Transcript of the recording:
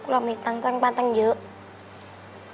เราไม่มีตังค์สร้างบ้านต่างอย่างนี้ลูก